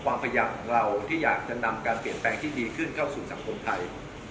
ความพยายามของเราที่อยากจะนำการเปลี่ยนแปลงที่ดีขึ้นเข้าสู่สังคมไทย